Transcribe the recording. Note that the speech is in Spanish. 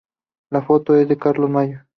La foto es de Carlos Mayo.